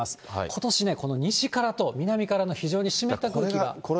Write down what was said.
ことしね、この西からと南からの非常に湿った空気が。